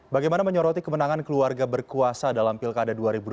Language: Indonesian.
bagaimana menyoroti kemenangan keluarga berkuasa dalam pilkada dua ribu dua puluh